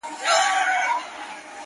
زړه لکه هينداره ښيښې گلي ـ